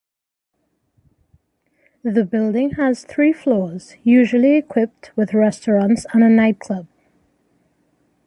The building has three floors usually equipped with restaurants and a night club.